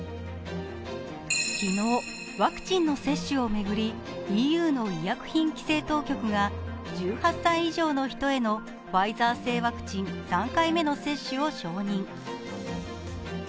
昨日、ワクチンの接種を巡り、ＥＵの医薬品規制当局が１８歳以上の人へのファイザー製ワクチン３回目のワクチンを承認。